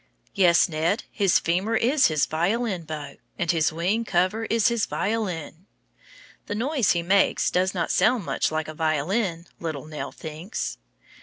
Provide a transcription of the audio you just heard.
Yes, Ned, his femur is his violin bow, and his wing cover is his violin. The noise he makes does not sound much like a violin, little Nell thinks.